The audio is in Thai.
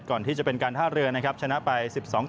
ก่อนที่จะเป็นการท่าเรือนะครับชนะไป๑๒ต่อ